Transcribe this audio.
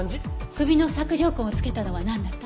首の索条痕をつけたのはなんだった？